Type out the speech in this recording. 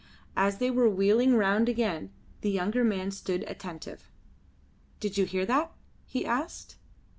As they were wheeling round again the younger man stood attentive. "Did you hear that?" he asked.